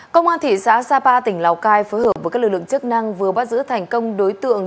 công an thị xã sapa tỉnh lào cai phối hợp với các lực lượng chức năng vừa bắt giữ thành công đối tượng